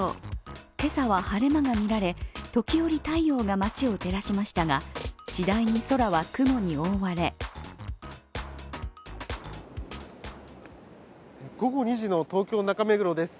今朝は晴れ間が見られ時折、太陽が街を照らしましたが次第に空は雲に覆われ午後２時の東京・中目黒です。